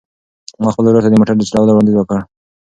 ما خپل ورور ته د موټر د چلولو وړاندیز وکړ.